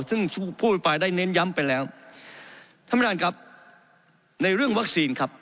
ท่านประธานครับในเรื่องวัคซีนครับ